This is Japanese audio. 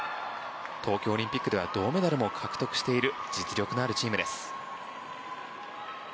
東京オリンピックでは銅メダルも獲得している実力のあるチームです。